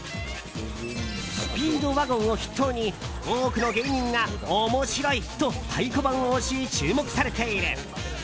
スピードワゴンを筆頭に多くの芸人が面白いと太鼓判を押し注目されている。